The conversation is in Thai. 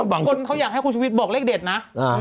บางคนเขาอยากให้คุณชุวิตบอกเลขเด็ดนะ